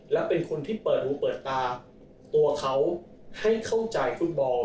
และเป็นคนที่เปิดหูเปิดตาตัวเขาให้เข้าใจฟุตบอล